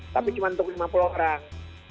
tapi cuma untuk lima puluh orang